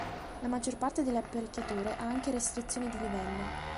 La maggior parte delle apparecchiature ha anche restrizioni di livello.